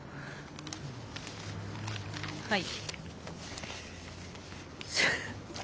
はい。